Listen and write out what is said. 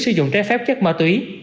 sử dụng che phép chất ma túy